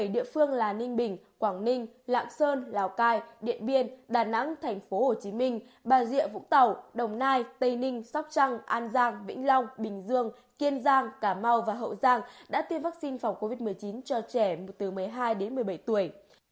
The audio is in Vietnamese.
bảy địa phương là ninh bình quảng ninh lạng sơn lào cai điện biên đà nẵng tp hcm bà rịa vũng tàu đồng nai tây ninh sóc trăng an giang vĩnh long bình dương kiên giang cà mau và hậu giang đã tiêm vaccine phòng covid một mươi chín cho trẻ từ một mươi hai đến một mươi bảy tuổi